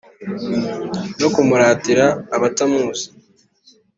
No kumuratira abatamuzi